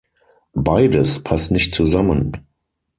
Beides passt nicht zusammen.